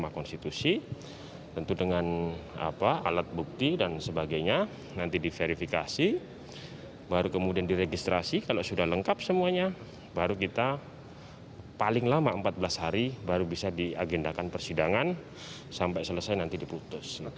mahkamah konstitusi tentu dengan alat bukti dan sebagainya nanti diverifikasi baru kemudian diregistrasi kalau sudah lengkap semuanya baru kita paling lama empat belas hari baru bisa diagendakan persidangan sampai selesai nanti diputus